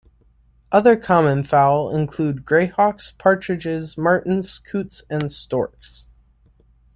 Other common fowl include grey hawks, partridges, martins, coots and storks.